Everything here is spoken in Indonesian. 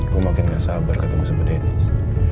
gue makin gak sabar ketemu sama dennis